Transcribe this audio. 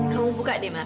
kamu buka deh mar